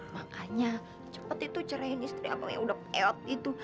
makanya cepet itu cerahin istri abang yang udah peot gitu